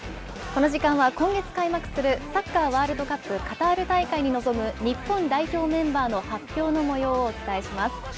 この時間は今月開幕するサッカー・ワールドカップカタール大会に臨む日本代表メンバーの発表の模様をお伝えします。